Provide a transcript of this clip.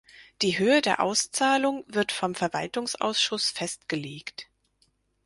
Die Höhe der Auszahlung wird vom Verwaltungsausschuss festgelegt.